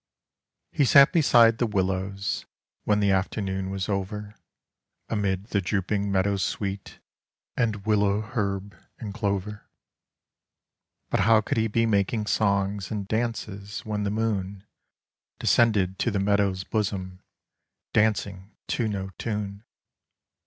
He sat beside the willows when the afternoon was over Amid the drooping meadow sweet, and willow herb and clover, But how could he be making songs and dances when the moon Descended to the meadow's bosom, dancing to no tune